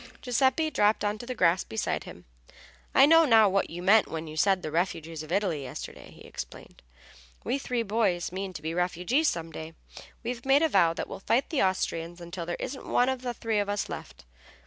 Giuseppe dropped on to the grass beside him. "I know now what you meant when you said the refugees of Italy yesterday," he explained. "We three boys mean to be refugees some day. We've made a vow that we'll fight the Austrians until there isn't one of the three of us left.